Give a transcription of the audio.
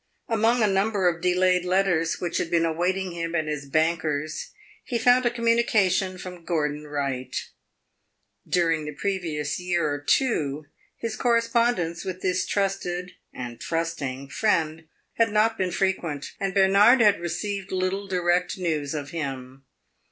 Among a number of delayed letters which had been awaiting him at his banker's he found a communication from Gordon Wright. During the previous year or two his correspondence with this trusted and trusting friend had not been frequent, and Bernard had received little direct news of him.